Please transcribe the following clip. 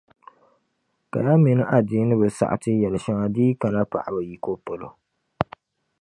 Kaya mini adiini bi saɣiti yɛli shɛŋa di yi kana paɣaba yiko polo.